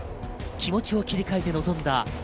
気持ちを切り替えて臨んだ